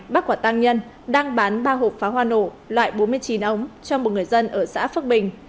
bác quả tăng nhân đang bán ba hộp pháo hoa nổ loại bốn mươi chín ống cho một người dân ở xã phước bình